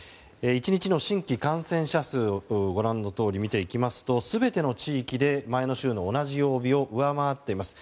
１日の新規感染者数を見ていきますと全ての地域で前の週の同じ曜日を上回っています。